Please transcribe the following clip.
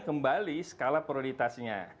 kembali skala prioritasnya